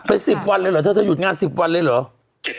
เป็น๑๐วันเลยเหรอเธอเธอหยุดงาน๑๐วันเลยเหรอ